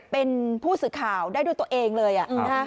เป็นผู้สื่อข่าวได้ด้วยตัวเองเลยอ่ะอืมฮะ